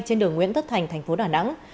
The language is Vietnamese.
trên đường nguyễn thất thành thành phố đà nẵng